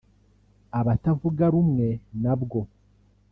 abatavuga rumwe nabwo